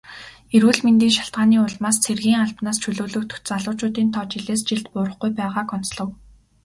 Эрүүл мэндийн шалтгааны улмаас цэргийн албанаас чөлөөлөгдөх залуучуудын тоо жилээс жилд буурахгүй байгааг онцлов.